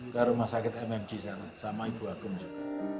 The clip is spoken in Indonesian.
ke rumah sakit mmc sana sama ibu akum juga